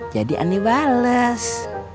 jadi aneh bales